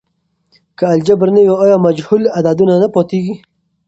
که الجبر نه وي، آیا مجهول عددونه نه پاتیږي؟